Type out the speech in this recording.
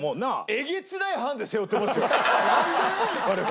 えげつないハンデ背負ってますよ我々。